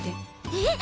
えっ！